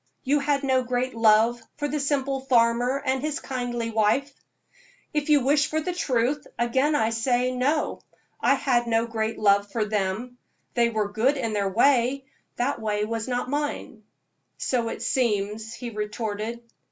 You had no great love for the simple farmer and his kindly wife?" "If you wish for the truth, again I say no. I had no great love for them. They were good in their way that way was not mine." "So it seems," he retorted.